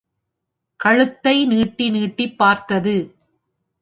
கழுத்தை நீட்டி நீட்டிப் பார்த்தது.